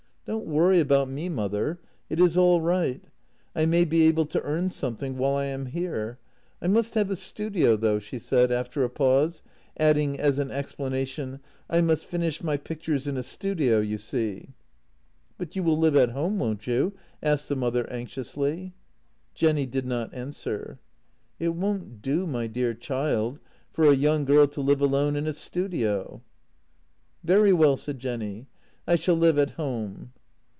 " Don't worry about me, mother. It is all right. I may be able to earn something while I am here. I must have a studio, though," she said, after a pause, adding as an explana tion: " I must finish my pictures in a studio, you see." " But you will live at home, won't you? " asked the mother anxiously. Jenny did not answer. " It won't do, my dear child, for a young girl to live alone in a studio." " Very well," said Jenny; " I shall live at home."